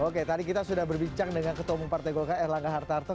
oke tadi kita sudah berbicara dengan ketua pempartai golkar erlangga hartarto